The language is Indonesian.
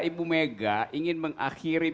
ibu mega ingin mengakhiri